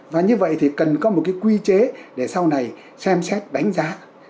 và như vậy thì cần có một cái quy chế để sau này xem xét đánh giá